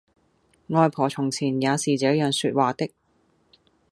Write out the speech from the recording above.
外婆從前也是這樣說話的